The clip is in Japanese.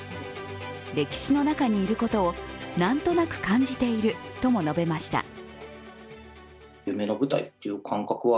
歴史の中にいることを何となく感じているとも述べました。